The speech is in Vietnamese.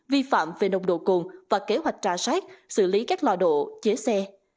vi phạm về nồng độ cồn và kế hoạch trà sát xử lý các lò độ chế xe